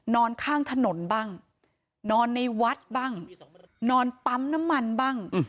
นอนข้างถนนบ้างนอนในวัดบ้างนอนปั๊มน้ำมันบ้าง